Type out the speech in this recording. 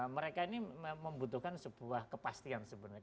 mereka ini membutuhkan sebuah kepastian sebenarnya